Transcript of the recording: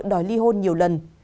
đòi ly hôn nhiều lần